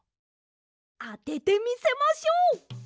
あててみせましょう！